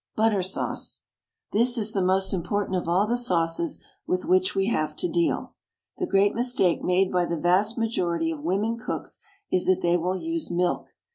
BUTTER SAUCE. This is the most important of all the sauces with which we have to deal. The great mistake made by the vast majority of women cooks is that they will use milk.